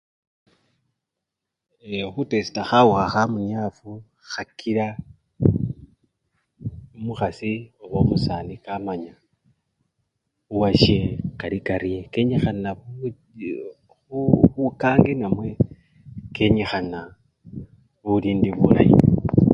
Ee! khutesita khawukha khamunyafu, khakila omukhasi oba omusani kamanya owasye kali karye, kenyikana bu! byo1 bukangi namwe kenyikhana bulindi bulayi.